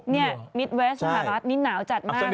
นี่นิดเวสนิดหนาวจัดมาก